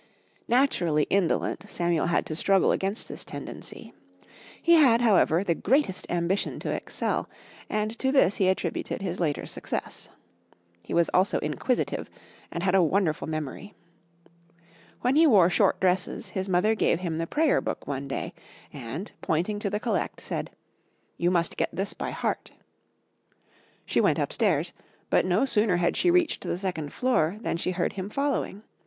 Naturally indolent, Samuel had to struggle against this tendency. He had, however, the greatest ambition to excel, and to this he attributed his later success. He was also inquisitive, and had a wonderful memory. When he wore short dresses, his mother gave him the Prayer Book one day, and, pointing to the Collect, said, "You must get this by heart." She went up stairs, but no sooner had she reached the second floor than she heard him following.